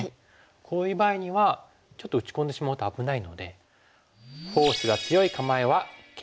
こういう場合にはちょっと打ち込んでしまうと危ないので。